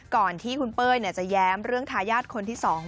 ก่อนที่คุณเป้ยจะแย้มเรื่องทายาทคนที่๒